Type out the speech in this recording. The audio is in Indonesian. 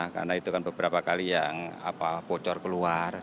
karena itu kan beberapa kali yang pocor keluar